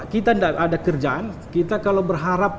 kita tidak ada kerjaan